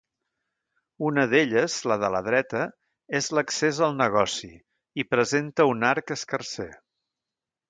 Una d'elles, la de la dreta, és l'accés al negoci i presenta un arc escarser.